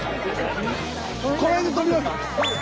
この辺で撮ります？